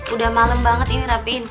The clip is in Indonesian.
udah malam banget ini rapiin